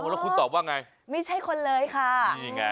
แล้วคุณตอบว่าไงไม่ใช่คนเลยค่ะนี่ไง